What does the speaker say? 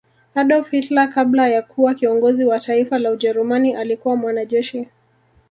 Adolf Hilter kabla ya kuwa kiongozi Wa Taifa la ujerumani alikuwa mwanajeshi